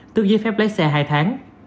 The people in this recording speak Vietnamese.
tước giấy phép lấy xe hai tháng